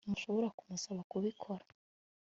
ntushobora kumusaba kubikora